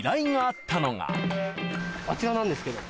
あちらなんですけど。